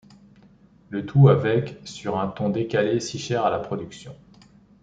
Le tout avec sur un ton décalé si cher à la production.